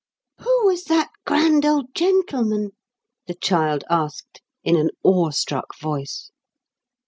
"Who was that grand old gentleman?" the child asked, in an awe struck voice.